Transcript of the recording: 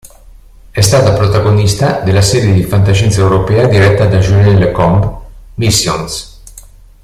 È stata protagonista della serie di fantascienza europea diretta da Julien Lacombe, "Missions".